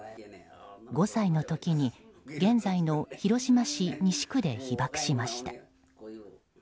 ５歳の時に、現在の広島市西区で被爆しました。